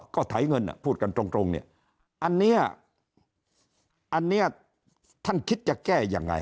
ก็ไถเงินพูดกันตรงเนี่ยอันนี้อันนี้ท่านคิดจะแก้ยังไง